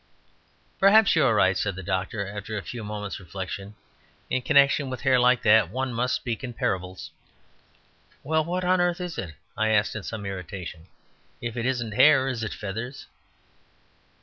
"Perhaps you are right," said the doctor after a few moments' reflection. "In connexion with hair like that one must speak in parables." "Well, what on earth is it," I asked in some irritation, "if it isn't hair? Is it feathers?"